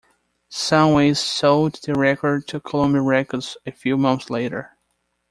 Sam Weiss sold the record to Columbia Records a few months later.